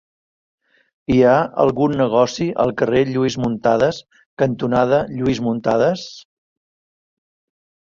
Hi ha algun negoci al carrer Lluís Muntadas cantonada Lluís Muntadas?